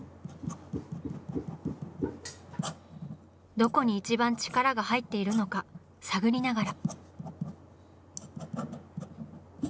どこに一番力が入っているのか探りながら。